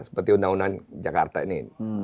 seperti undang undang jakarta ini